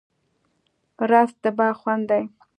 رس د باغ خوند دی